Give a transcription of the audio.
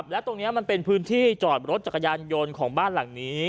และตรงนี้มันเป็นพื้นที่จอดรถจักรยานยนต์ของบ้านหลังนี้